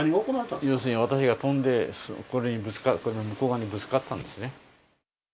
要するに私が飛んで、これに、向こう側にぶつかったんですね。